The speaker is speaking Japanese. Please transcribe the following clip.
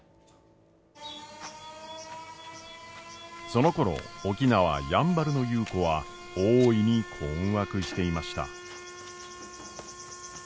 そのころ沖縄やんばるの優子は大いに困惑していました。